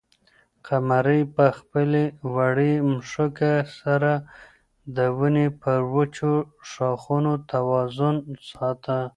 قمرۍ په خپلې وړې مښوکې سره د ونې پر وچو ښاخونو توازن ساته.